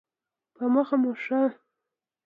په مخه مو ښه؟